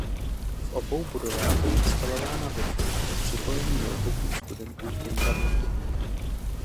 V obou budovách je instalována wifi pro připojení notebooků studentů k internetu.